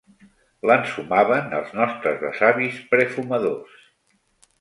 L'ensumaven els nostres besavis prefumadors.